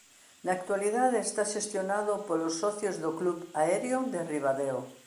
Na actualidade está xestionado polos socios do Club Aéreo de Ribadeo.